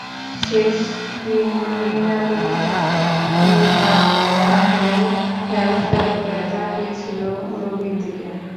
শেষ দিন মৃণালিনী নির্বাক থাকলেও ফ্যালফ্যাল করে তাকিয়ে ছিল রবির দিকে।